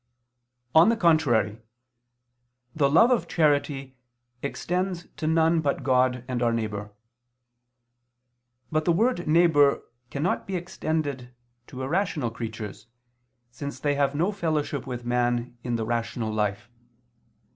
On the contrary, The love of charity extends to none but God and our neighbor. But the word neighbor cannot be extended to irrational creatures, since they have no fellowship with man in the rational life.